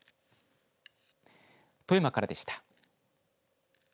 富山からでした。